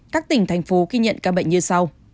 các tỉnh thành phố ghi nhận ca bệnh như sau